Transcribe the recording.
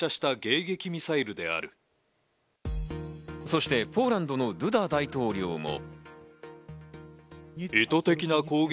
そしてポーランドのドゥダ大統領も。